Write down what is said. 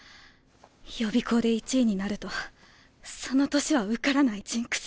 予備校で１位になるとその年は受からないジンクス。